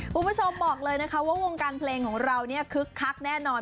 คุณผู้ชมบอกเลยนะคะว่าวงการเพลงของเราเนี่ยคึกคักแน่นอน